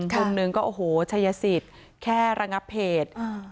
มุมหนึ่งก็ชายสิทธิ์แค่รังอะเพจ